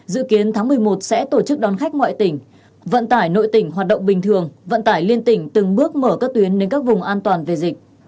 dự kiến tháng một mươi một sẽ tổ chức đón khách ngoại tỉnh vận tải nội tỉnh hoạt động bình thường vận tải liên tỉnh từng bước mở các tuyến đến các vùng an toàn về dịch